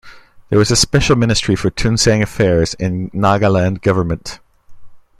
There was a special Ministry for Tuensang Affairs in Nagaland Government.